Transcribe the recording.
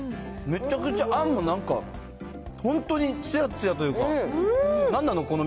めちゃくちゃあんがなんか、本当につやつやというか、何なの？